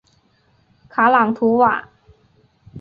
卡朗图瓦。